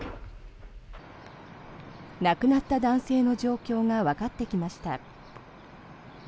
亡くなった男性の状況がわかってきました。